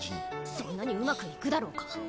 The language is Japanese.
そんなにうまくいくだろうか。